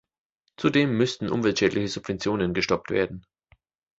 Zudem müssten umweltschädliche Subventionen gestoppt werden.